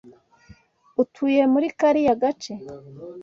Utuye muri kariya gace?